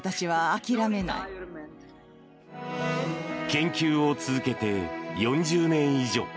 研究を続けて４０年以上。